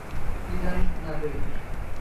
কী জানিস না, তুই?